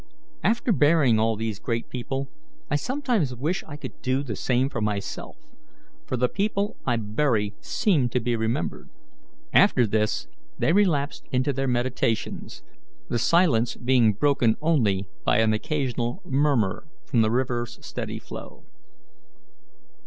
After burying all these great people, I sometimes wish I could do the same for myself, for the people I bury seem to be remembered." After this they relapsed into their meditations, the silence being broken only by an occasional murmur from the river's steady flow.